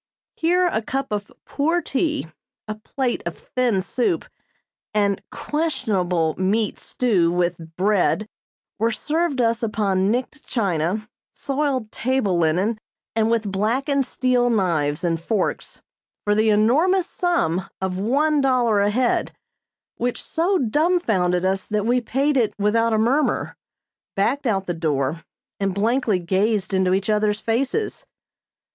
Here a cup of poor tea, a plate of thin soup and questionable meat stew with bread were served us upon nicked china, soiled table linen and with blackened steel knives and forks, for the enormous sum of one dollar a head; which so dumbfounded us that we paid it without a murmur, backed out the door and blankly gazed into each other's faces.